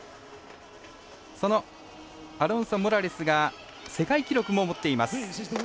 そのアロンソモラレスが世界記録も持っています。